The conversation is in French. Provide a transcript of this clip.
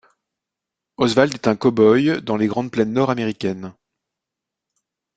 Oswald est un cowboy dans les grandes plaines nord-américaines.